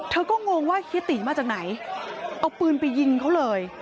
เธอก็งงว่าเฮียตีมาจากไหนเอาปืนไปยิงเขาเลย